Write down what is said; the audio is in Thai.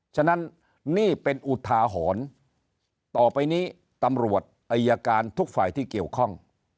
ฉะนั้นนี่เป็นอุทาหรณ์ต่อไปนี้ตำรวจอายการทุกฝ่ายที่เกี่ยวข้อง